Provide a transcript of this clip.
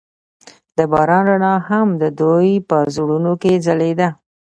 د باران رڼا هم د دوی په زړونو کې ځلېده.